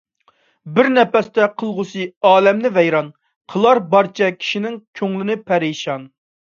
بىر نەپەستە قىلغۇسى ئالەمنى ۋەيران، قىلار بارچە كىشىنىڭ كۆڭلىن پەرىشان.